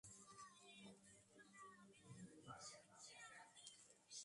Sin embargo, no se reportaron lesionados gravemente ni mucho menos, personas fallecidas.